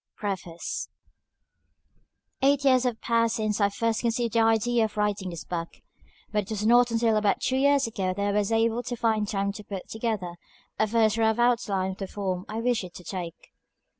_) Preface Eight years have passed since I first conceived the idea of writing this book, but it was not until about two years ago that I was able to find time to put together a first rough outline of the form I wished it to take.